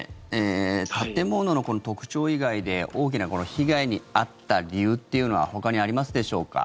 建物の特徴以外で大きな被害に遭った理由っていうのはほかにありますでしょうか。